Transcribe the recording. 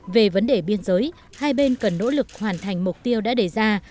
về vấn đề biên giới hai bên cần nỗ lực hoàn thành mục tiêu đã đề ra